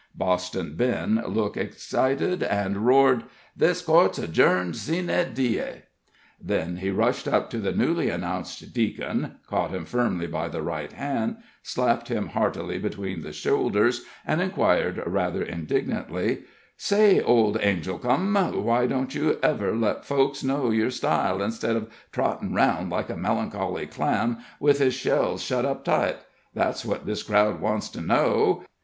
Boston Ben looked excited, and roared: "This court's adjourned sine die." Then he rushed up to the newly announced deacon, caught him firmly by the right hand, slapped him heartily between the shoulders, and inquired, rather indignantly: "Say, old Angelchum, why didn't you ever let folks know yer style, instead uv trottin' 'round like a melancholy clam with his shells shut up tight? That's what this crowd wants to know!